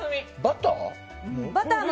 バターも？